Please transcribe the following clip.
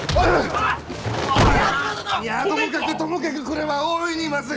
平八郎殿！いやともかくともかくこれは大いにまずい！